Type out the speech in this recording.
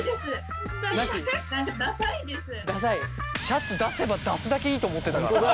シャツ出せば出すだけいいと思ってたからね。